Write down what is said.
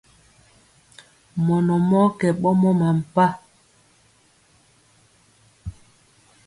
Mɔnɔ mɔɔ kɛ ɓɔmɔ mampa.